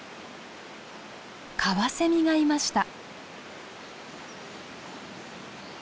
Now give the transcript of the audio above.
カワセミがいました。